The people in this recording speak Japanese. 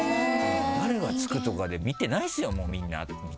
「誰がつくとかで見てないですよもうみんな」みたいな。